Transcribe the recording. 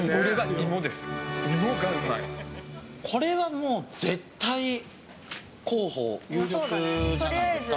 これは絶対候補有力じゃないですか。